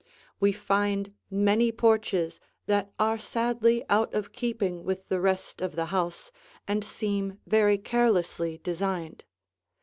We find many porches that are sadly out of keeping with the rest of the house and seem very carelessly designed.